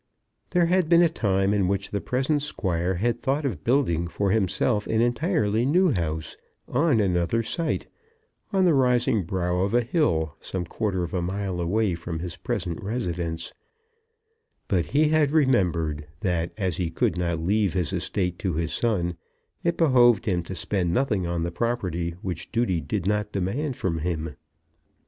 There had been a time in which the present Squire had thought of building for himself an entirely new house, on another site, on the rising brow of a hill, some quarter of a mile away from his present residence; but he had remembered that as he could not leave his estate to his son, it behoved him to spend nothing on the property which duty did not demand from him.